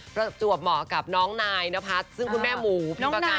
ก็จวบเหมาะกับน้องนายนพัชซึ่งคุณแม่หมู่พี่ประการเนี่ย